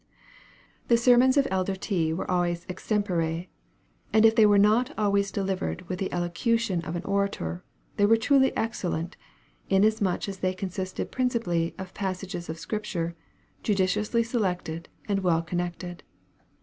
The sermons of Elder T. were always extempore; and if they were not always delivered with the elocution of an orator, they were truly excellent, inasmuch as they consisted principally of passages of Scripture, judiciously selected, and well connected.